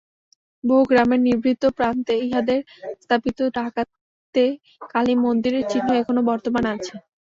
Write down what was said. বহু গ্রামের নিভৃত প্রান্তে ইহাদের স্থাপিত ডাকাতে-কালীর মন্দিরের চিহ্ন এখনও বর্তমান আছে।